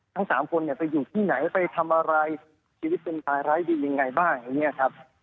ทั้งสามคนเนี่ยไปอยู่ที่ไหนไปทำอะไรชีวิตเป็นตายร้ายดียังไงบ้างอย่างนี้ครับ